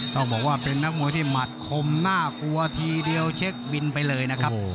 ต้องบอกว่าเป็นนักมวยที่หมัดคมน่ากลัวทีเดียวเช็คบินไปเลยนะครับ